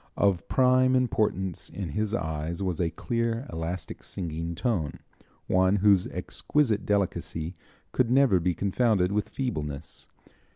Of prime importance in his eyes was a clear, elastic, singing tone, one whose exquisite delicacy could never be confounded with feebleness.